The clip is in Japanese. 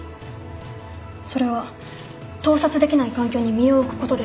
それは盗撮できない環境に身を置くことです。